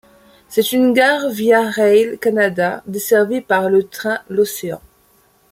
C'est une gare Via Rail Canada, desservie par le train l'Océan.